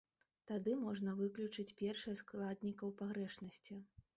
Тады можна выключыць першыя складнікаў пагрэшнасці.